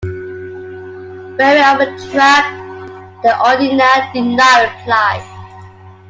Wary of a trap, the "Ondina" did not reply.